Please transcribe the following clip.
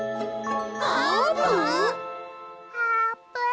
あーぷん！？